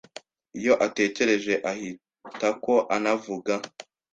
Iyo atekereje ahitako anavuga